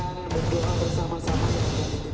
jangan lupa like share dan subscribe ya